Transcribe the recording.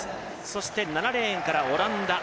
そして７レーンからオランダ。